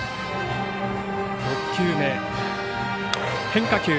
６球目、変化球。